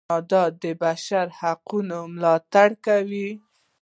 کاناډا د بشري حقونو ملاتړ کوي.